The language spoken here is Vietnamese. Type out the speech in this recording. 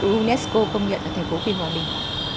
và unesco công nhận thành phố vì hòa bình